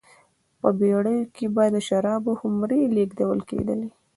په بېړیو کې به د شرابو خُمرې لېږدول کېدلې